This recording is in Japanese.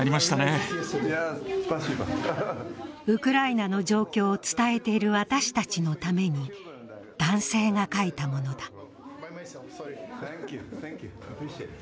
ウクライナの状況を伝えている私たちのために男性が描いたものだ。